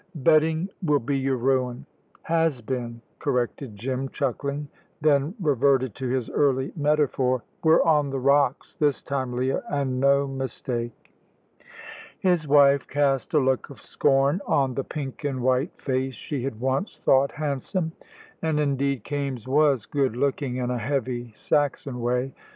"Betting will be your ruin." "Has been," corrected Jim, chuckling; then reverted to his early metaphor: "We're on the rocks this time, Leah, and no mistake." His wife cast a look of scorn on the pink and white face she had once thought handsome. And, indeed, Kaimes was good looking in a heavy Saxon way.